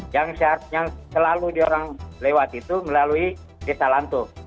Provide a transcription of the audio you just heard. yang selalu diorang lewat itu melalui desa lanto